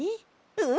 うん！